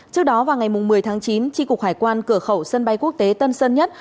trước đó vào ngày một mươi tháng chín tri cục hải quan cửa khẩu sân bay quốc tế tân sơn nhất